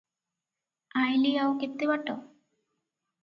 ଆଇଁଲି ଆଉ କେତେ ବାଟ?